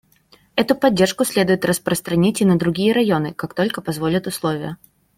Эту поддержку следует распространить и на другие районы, как только позволят условия.